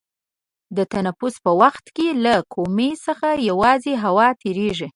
د تنفس په وخت کې له کومي څخه یوازې هوا تیرېږي.